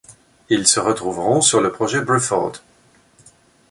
Ils se retrouveront sur le projet Bruford.